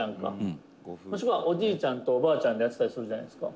「もしくは、おじいちゃんとおばあちゃんでやってたりするじゃないですか」